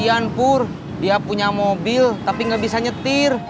kasian pur dia punya mobil tapi gak bisa nyetir